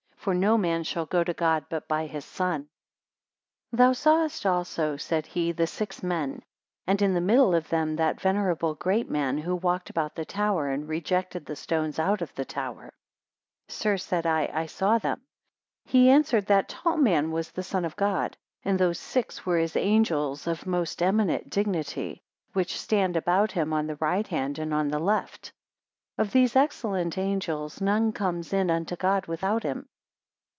For no man shall go to God, but by his Son. 118 Thou sawest also, said he, the six men, and in the middle of them that venerable great man, who walked about the tower, and rejected the stones out of the tower? 119 Sir, said I, I saw them. He answered, that tall man was the Son of God; and those six were his angels of most eminent dignity, which stand about him on the right hand and on the left. 120 Of these excellent angels none comes in unto God without him.